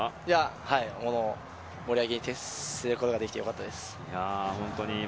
盛り上げ役に徹することができて良かったです。